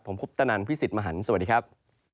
ผมคุปตนันพี่สิทธิ์มหันฯสวัสดีครับ